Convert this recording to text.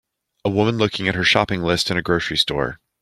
A woman looking at her shopping list in a grocery store.